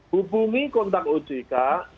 hubungi kontak ojk satu ratus lima puluh tujuh